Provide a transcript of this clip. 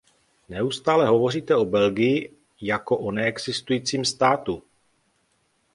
Neustále hovoříte o Belgii jako o neexistujícím státu.